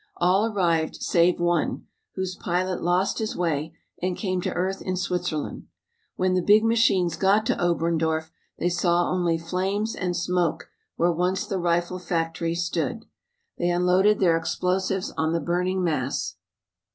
All arrived, save one, whose pilot lost his way and came to earth in Switzerland. When the big machines got to Oberndorf they saw only flames and smoke where once the rifle factory stood. They unloaded their explosives on the burning mass.